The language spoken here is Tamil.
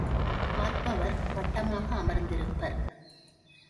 பார்ப்பவர் வட்டமாக அமர்ந்திருப்பர்.